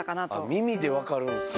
耳で分かるんすか。